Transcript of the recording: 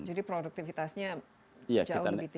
jadi produktivitasnya jauh lebih tinggi